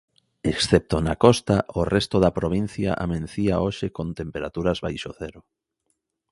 Excepto na costa o resto da provincia amencía hoxe con temperaturas baixo cero.